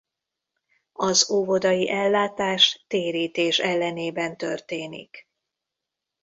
Az óvodai ellátás térítés ellenében történik.